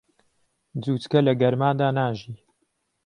جوچکە لە گەرمادا ناژی.